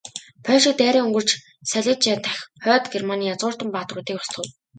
Польшийг дайран өнгөрч, Сайлижиа дахь Хойд Германы язгууртан баатруудыг устгав.